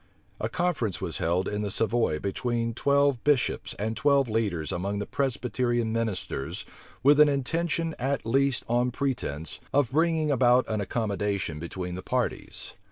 A conference was held in the Savoy between twelve bishops and twelve leaders among the Presbyterian ministers, with an intention, at least on pretence, of bringing about an accommodation between the parties.